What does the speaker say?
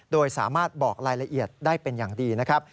โดยสามารถบอกรายละเอียดได้เป็นอย่างดีนะครับ